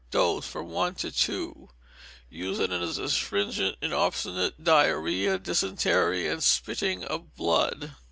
Dose, from one to two. Use as an astringent in obstinate diarrhoea, dysentery, and spitting of blood.